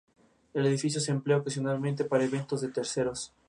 El hijo de Ana, Humphrey Stafford, será el I duque de Buckingham.